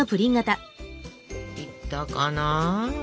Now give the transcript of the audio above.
いったかな。